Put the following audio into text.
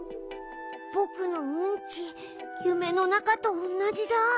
ぼくのうんちゆめのなかとおんなじだ。